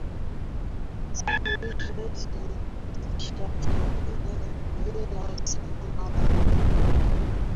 nchi hizo zimepitisha sheria ya kulinda usalama wa raia